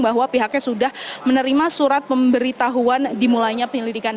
bahwa pihaknya sudah menerima surat pemberitahuan dimulainya penyelidikan